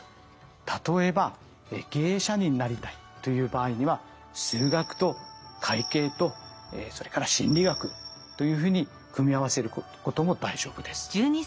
例えば経営者になりたいという場合には数学と会計とそれから心理学というふうに組み合わせることも大丈夫です。